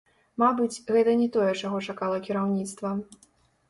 Мабыць, гэта не тое, чаго чакала кіраўніцтва.